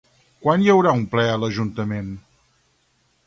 Quan hi haurà un ple a l'ajuntament?